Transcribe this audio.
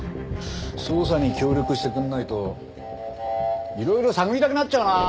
捜査に協力してくれないといろいろ探りたくなっちゃうなあ！